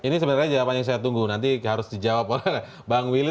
ini sebenarnya jawaban yang saya tunggu nanti harus dijawab oleh bang willy